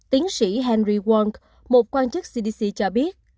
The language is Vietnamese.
tiến sĩ henry world một quan chức cdc cho biết